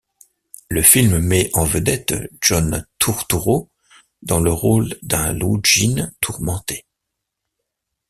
Le film met en vedette John Turturro dans le rôle d'un Loujine tourmenté.